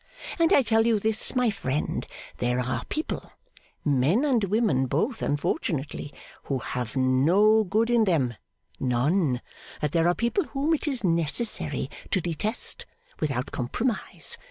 And I tell you this, my friend, that there are people (men and women both, unfortunately) who have no good in them none. That there are people whom it is necessary to detest without compromise.